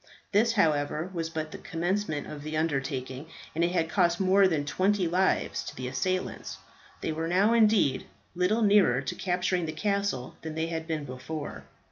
This, however, was but the commencement of the undertaking, and it had cost more than twenty lives to the assailants. They were now, indeed, little nearer to capturing the castle than they had been before.